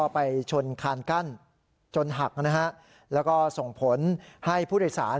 ไปชนคานกั้นจนหักแล้วก็ส่งผลให้ผู้เดชนาน